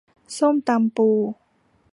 ส้มตำปู